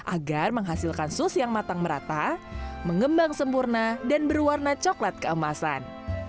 agar menghasilkan sus yang matang merata mengembang sempurna dan berwarna coklat keemasan